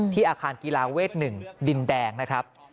อาคารกีฬาเวท๑ดินแดงนะครับ